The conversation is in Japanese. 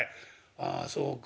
「ああそうか。